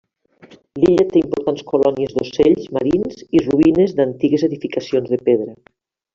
L'illa té importants colònies d'ocells marins i ruïnes d'antigues edificacions de pedra.